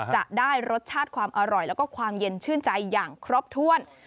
จะได้รสชาติความอร่อยแล้วก็ความเย็นชื่นใจอย่างครบถ้วน